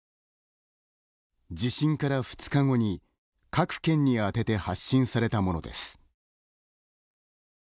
地震から２日後に各県に宛てて発信されたものです。